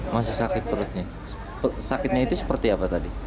masih sakit perutnya sakitnya itu seperti apa tadi